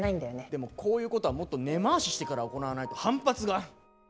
でもこういうことはもっと根回ししてから行わないと反発が。